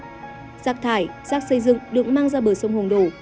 giác thải giác xây dựng được mang ra bờ sông hồng đổ